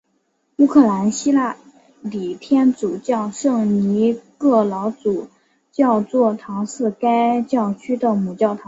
乌克兰希腊礼天主教圣尼各老主教座堂是该教区的母教堂。